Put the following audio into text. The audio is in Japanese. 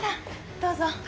どうぞ。